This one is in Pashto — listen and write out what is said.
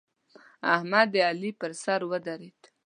احمد د علي پر سر ودرېد.